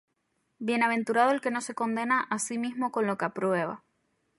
Bienaventurado el que no se condena á sí mismo con lo que aprueba.